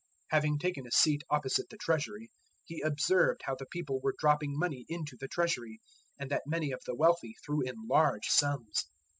012:041 Having taken a seat opposite the Treasury, He observed how the people were dropping money into the Treasury, and that many of the wealthy threw in large sums.